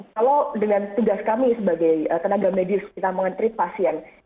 kalau dengan tugas kami sebagai tenaga medis kita menge treat pasien